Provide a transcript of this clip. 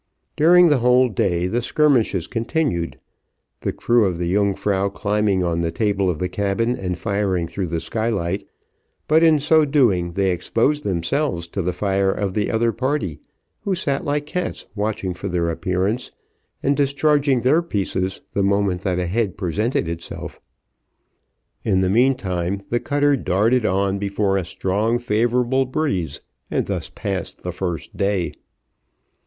During the whole day the skirmishes continued, the crew of the Yungfrau climbing on the table of the cabin, and firing through the skylight, but in so doing, they exposed themselves to the fire of the other party who sat like cats watching for their appearance, and discharging their pieces the moment that a head presented itself. In the meantime, the cutter darted on before a strong favourable breeze, and thus passed the first day.